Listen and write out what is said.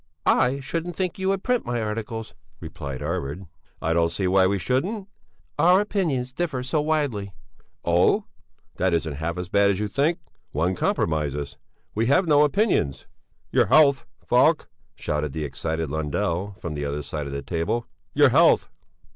"I shouldn't think you would print my articles," replied Arvid. "I don't see why we shouldn't." "Our opinions differ so very widely...." "Oh! That isn't half as bad as you think. One compromises. We have no opinions." "Your health, Falk!" shouted the excited Lundell, from the other side of the table. "Your health!"